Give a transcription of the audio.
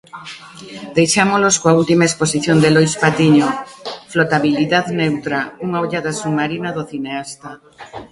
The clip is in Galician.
Deixámolos coa última exposición de Lois Patiño, Flotabilidad neutra, unha ollada submarina do cineasta.